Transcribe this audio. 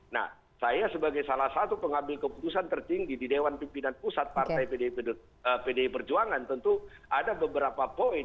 nah saya sebagai salah satu pengambil keputusan tertinggi di dewan pimpinan pusat partai pdi perjuangan tentu ada beberapa poin